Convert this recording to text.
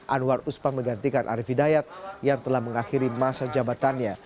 anwar usman menggantikan arief hidayat yang telah mengakhiri masa jabatannya